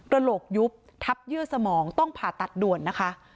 โหลกยุบทับเยื่อสมองต้องผ่าตัดด่วนนะคะ